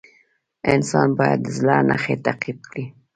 انسان باید د زړه نښې تعقیب کړي.